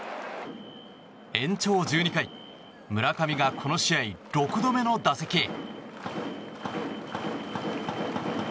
延長１２回村上がこの試合６度目の打席へ。